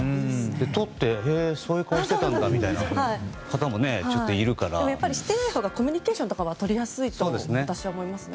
とって、そういう顔してたんだみたいな方もマスクをしていないほうがコミュニケーションとかはとりやすいと私は思いますね。